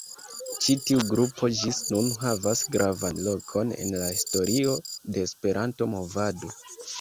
Ĉi tiu grupo ĝis nun havas gravan lokon en la historio de Esperanto-movado.